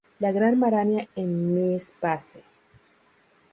La Gran Maraña en MySpace